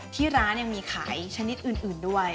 ที่ร้านยังมีขายชนิดอื่นด้วย